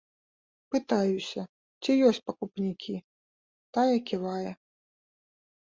Пытаюся, ці ёсць пакупнікі, тая ківае.